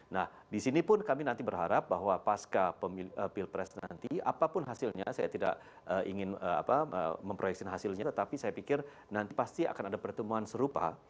nah disini pun kami nanti berharap bahwa pasca pilpres nanti apapun hasilnya saya tidak ingin memproyeksi hasilnya tetapi saya pikir nanti pasti akan ada pertemuan serupa